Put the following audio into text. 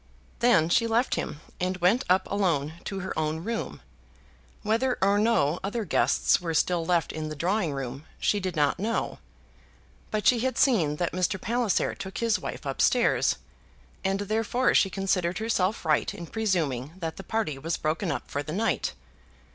Then she left him, and went up alone to her own room. Whether or no other guests were still left in the drawing room she did not know; but she had seen that Mr. Palliser took his wife up stairs, and therefore she considered herself right in presuming that the party was broken up for the night.